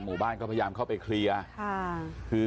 หมู่บ้านก็พยายามเข้าไปเคลียร์ค่ะคือ